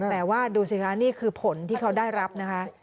แต่ว่าดูสิคะนี่คือผลที่เขาได้รับนะคะ